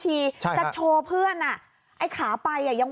บอกว่ามึงบ่ามึงอ๋อ